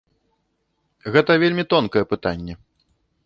Гэта вельмі тонкае пытанне.